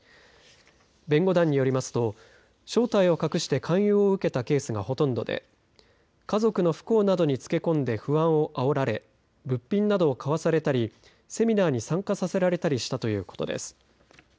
弁護団によりますと正体を隠して勧誘を受けたケースがほとんどで家族の不幸などにつけ込んで不安をあおられ物品などを買わされたりセミナーに参加させられたりしたということです。